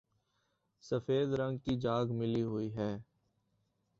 سفید رنگ کی جھاگ ملی ہوئی ہے